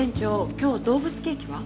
今日動物ケーキは？